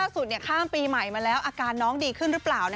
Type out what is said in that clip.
ข้ามปีใหม่มาแล้วอาการน้องดีขึ้นหรือเปล่า